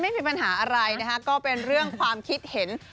ผมไม่มีปัญหาอะไรนะคะก็คือความคิดเห็น